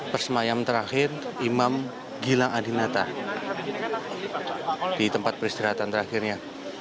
persemayam terakhir imam gilang adinata di tempat peristirahatan terakhirnya